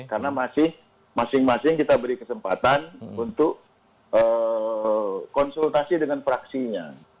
karena masih masing masing kita beri kesempatan untuk konsultasi dengan praksinya